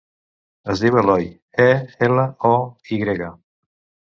Es diu Eloy: e, ela, o, i grega.